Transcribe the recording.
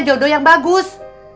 jodoh yang bagus